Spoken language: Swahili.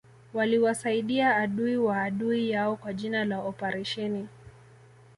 waliwasaidia adui wa adui yao kwa jina la oparesheni